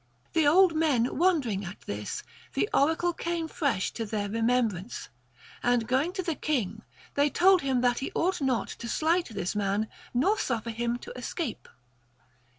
The old men wondering at this, the oracle came fresh to their remembrance ; and going to the king, they told him that he ought not to slight this man, nor suffer him to escape.